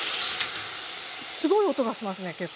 すごい音がしますね結構。